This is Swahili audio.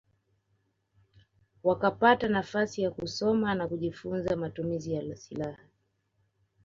Wakapata nafasi ya kusoma na kujifunza matumizi ya silaha